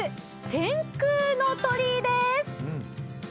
天空の鳥居です。